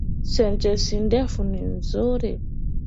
Sentensi ndefu ni nzuri